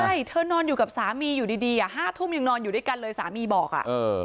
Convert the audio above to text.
ใช่เธอนอนอยู่กับสามีอยู่ดีดีอ่ะห้าทุ่มยังนอนอยู่ด้วยกันเลยสามีบอกอ่ะเออ